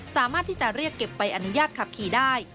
สามารถที่จะเรียกเก็บใบอนุญาตขับขี่ได้